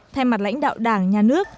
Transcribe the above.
theo mặt lãnh đạo đảng nhà nước